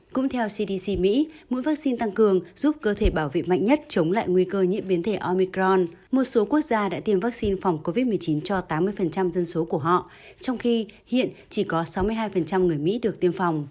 cũng theo cdc mỹ mũi vắc xin tăng cường giúp cơ thể bảo vị mạnh nhất chống lại nguy cơ nhiễm biến thể omicron một số quốc gia đã tiêm vắc xin phòng covid một mươi chín cho tám mươi dân số của họ trong khi hiện chỉ có sáu mươi hai người mỹ được tiêm phòng